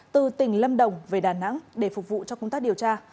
từ tỉnh lâm đồng về đà nẵng để phục vụ cho công tác điều tra